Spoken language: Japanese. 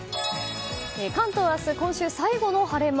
関東明日、今週最後の晴れ間。